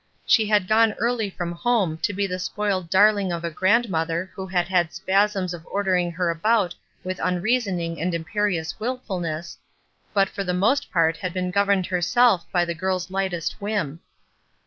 She had gone early from home to be the spoiled darling of a grandmother who had had spasms of ordering her about with unreasoning and imperious wilfulness, but for the most part had been governed herself by the girl's lightest whim.